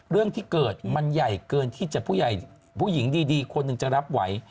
เรื่องที่เกิดมันใหญ่เกินที่จะผู้หญิงดีคนหนึ่งจะรับไหว